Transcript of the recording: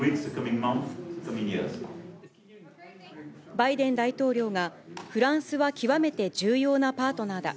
バイデン大統領が、フランスは極めて重要なパートナーだ。